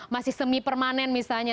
masih semi permanen misalnya